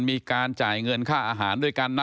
มีการจ่ายเงินค่าอาหารด้วยกันนะ